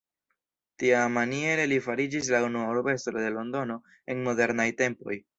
Tiamaniere li fariĝis la unua urbestro de Londono en modernaj tempoj.